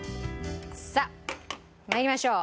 さあ参りましょう。